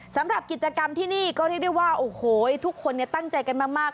สำหรับกิจกรรมที่นี่ก็เรียกได้ว่าโอ้โหทุกคนตั้งใจกันมาก